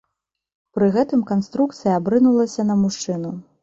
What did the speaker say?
Пры гэтым канструкцыя абрынулася на мужчыну.